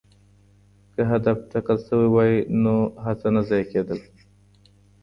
که هدف ټاکل سوی وای نو هڅه نه ضایع کېدل.